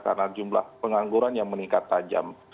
karena jumlah pengangguran yang meningkat tajam